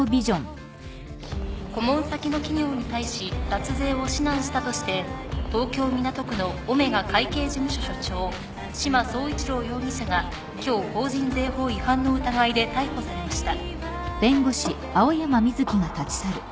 顧問先の企業に対し脱税を指南したとして東京港区のオメガ会計事務所所長志摩総一郎容疑者が今日法人税法違反の疑いで逮捕されました。